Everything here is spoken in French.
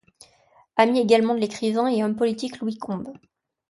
Ami également de l'écrivain et homme politique Louis Combes.